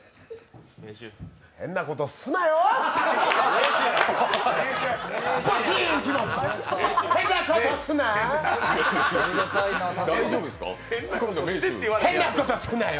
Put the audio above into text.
変なことすなよ！